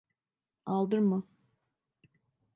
Aldırma.